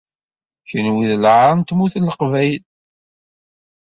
Kenwi d lɛaṛ n Tmurt n Leqbayel.